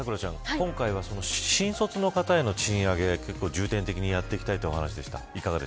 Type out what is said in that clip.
今回は新卒の方への賃上げ結構、重点的にやってきたいという話でした。